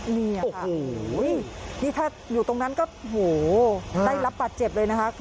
โอ้โหนี่ถ้าอยู่ตรงนั้นก็โหได้รับบัตรเจ็บเลยนะคะ